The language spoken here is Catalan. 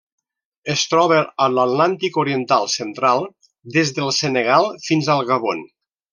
Es troba a l'Atlàntic oriental central: des del Senegal fins al Gabon.